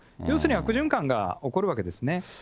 要するに悪循環が起こるわけですね。